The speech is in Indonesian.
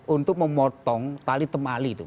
untuk memotong tali temali itu